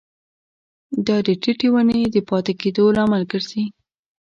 دا د ټیټې ونې د پاتې کیدو لامل ګرځي.